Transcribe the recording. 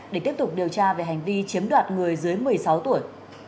để tiếp tục điều tra về hành vi chiếm đoạt người dưới một mươi sáu tuổi